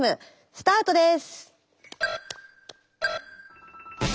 スタートです。